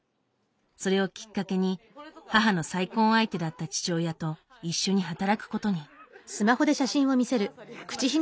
それをきっかけに母の再婚相手だった父親と一緒に働くことに。